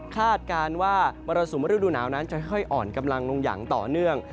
คาดการณ์ว่ามรสุมฤดูหนาวนั้นจะค่อยอ่อนกำลังลงอย่างต่อเนื่อง